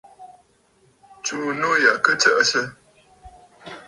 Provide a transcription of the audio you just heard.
Tsùu nû ya kɨ tsəʼəsə!